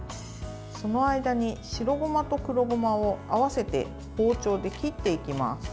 その間に白ごまと黒ごまを合わせて包丁で切っていきます。